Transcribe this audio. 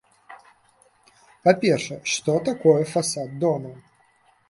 Па-першае, што такое фасад дома?